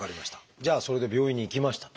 じゃあそれで病院に行きましたと。